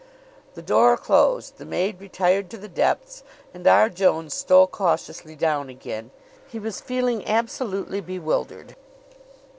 The door closed, the maid retired to the depths, and R. Jones stole cautiously down again. He was feeling absolutely bewildered.